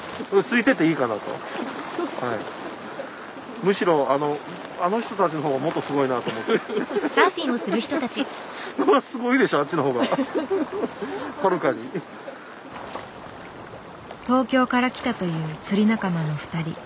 むしろあの東京から来たという釣り仲間の２人。